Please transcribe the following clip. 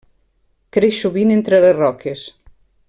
Creix sovint entre les roques.